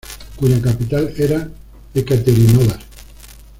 Cuya capital era Ekaterinodar.